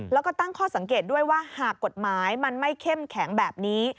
แล้วก็ตั้งข้อสังเกตด้วยว่าหากกฎหมายมันไม่เข้มแข็งแบบนี้